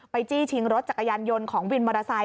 จี้ชิงรถจักรยานยนต์ของวินมอเตอร์ไซค